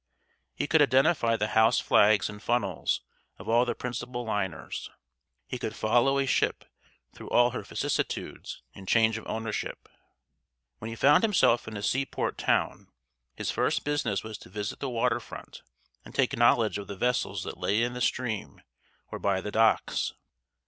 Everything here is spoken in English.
He could identify the house flags and funnels of all the principal liners; he could follow a ship through all her vicissitudes and change of ownership. When he found himself in a seaport town his first business was to visit the water front and take knowledge of the vessels that lay in the stream or by the docks.